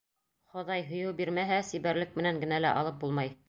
Хоҙай һөйөү бирмәһә, сибәрлек менән генә лә алып булмай.